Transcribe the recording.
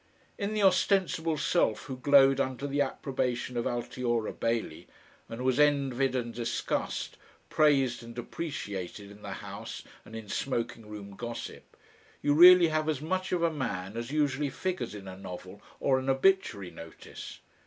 In the ostensible self who glowed under the approbation of Altiora Bailey, and was envied and discussed, praised and depreciated, in the House and in smoking room gossip, you really have as much of a man as usually figures in a novel or an obituary notice.